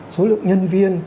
số lượng nhân viên